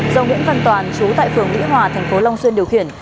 do nguyễn văn toàn trú tại phường mỹ hòa tp lâm xuyên điều khiển